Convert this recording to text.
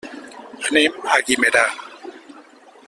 Anem a Guimerà.